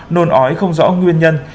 nôn ói không rõ nguyên nhân